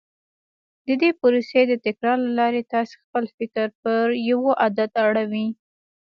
د دې پروسې د تکرار له لارې تاسې خپل فکر پر يوه عادت اړوئ.